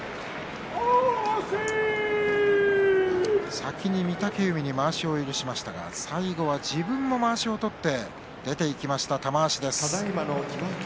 先に御嶽海にまわしを許しましたが最後は自分もまわしを取って出ていきました、玉鷲です。